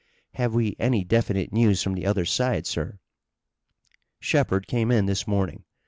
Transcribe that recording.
"Have we any definite news from the other side, sir?" "Shepard came in this morning.